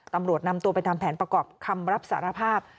ตำรวจนำตัวไปทำแผนประกอบคำรับสารภาพ